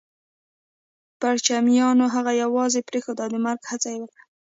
پرچمیانو هغه يوازې پرېښود او د مرګ هڅه يې وکړه